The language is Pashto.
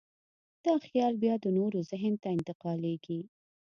دا خیال بیا د نورو ذهن ته انتقالېږي.